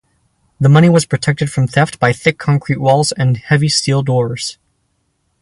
The money was protected from theft by thick concrete walls and heavy steel doors.